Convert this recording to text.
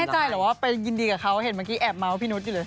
ใจเหรอว่าไปยินดีกับเขาเห็นเมื่อกี้แอบเมาส์พี่นุษย์อยู่เลย